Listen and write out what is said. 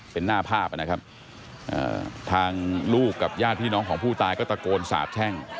เป็นหน้าภาพนะครับทางลูกกับญาติพี่น้องของผู้ตายก็ตะโกนสาบแช่ง